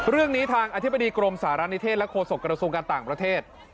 เรื่องนี้ทางอธิบดีกรมสารณิเทศและโฆษกระทรวงการต่างประเทศ